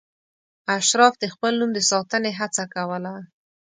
اشراف د خپل نوم د ساتنې هڅه کوله.